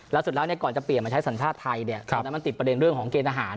แล้วเสร็จแล้วก่อนจะเปลี่ยนมาใช้สัญชาติไทยตอนนั้นมันติดประเด็นเรื่องของเกณฑ์ทหาร